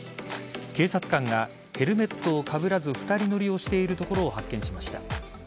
警察官が、ヘルメットをかぶらず２人乗りをしているところを発見しました。